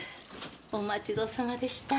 お待ちどおさまでした。